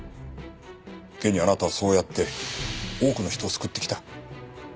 現にあなたはそうやって多くの人を救ってきた。